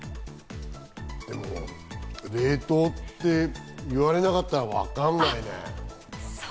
でも冷凍って言われなかったら分かんないね。